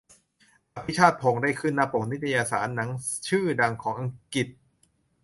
"อภิชาติพงศ์" ได้ขึ้นหน้าปกนิตยสารหนังชื่อดังของอังกฤษ